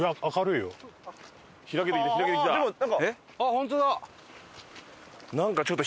ホントだ。